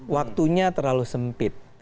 waktunya terlalu sempit